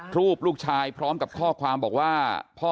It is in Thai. ก่อโรคลูกชายรูปลูกชาย